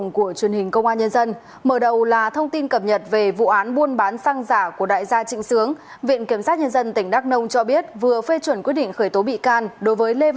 cảm ơn các bạn đã theo dõi